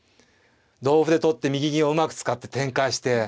同歩で取って右銀をうまく使って展開して。